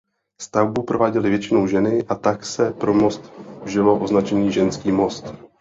Stavbu prováděly většinou ženy a tak se pro most vžilo označení "Ženský most".